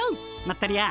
まったり屋。